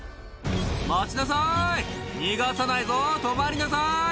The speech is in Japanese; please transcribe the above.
「待ちなさい逃がさないぞ止まりなさい！」